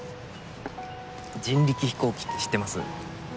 人力飛行機って知ってます？